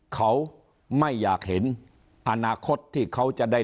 เขาไม่อยากเห็นอนาคตที่เขาจะได้